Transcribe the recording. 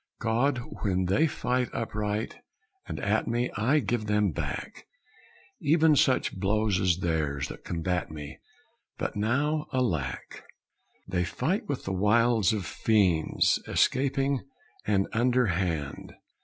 "God! when they fight upright and at me I give them back Even such blows as theirs that combat me; But now, alack! "They fight with the wiles of fiends escaping And underhand.